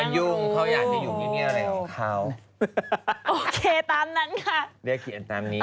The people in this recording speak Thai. ขอบคุณแม่แล้วใครหย่อให้เธอใส่เสื้อตัวนี้